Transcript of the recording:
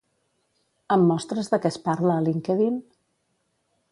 Em mostres de què es parla a LinkedIn?